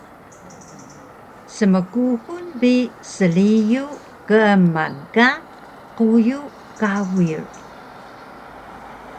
Smkuxul bi sriyu keeman ka quyu kawir